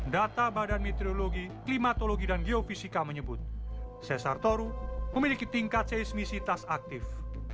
data badan meteorologi klimatologi dan geofisika menyebut sesar toru memiliki tingkat seismisitas aktif